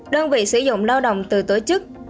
đơn vị sử dụng lao động từ tổ chức